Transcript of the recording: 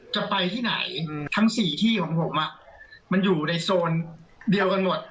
จะไปที่ไหนทั้งสี่ที่ของผมมันอยู่ในโซนเดียวกันหมด